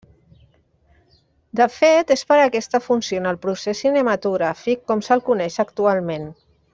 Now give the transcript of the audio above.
De fet, és per aquesta funció en el procés cinematogràfic com se'l coneix actualment.